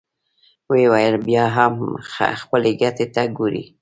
ويې ويل: بيا هم خپلې ګټې ته ګورې!